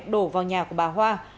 đổ vào nhà của bà hoa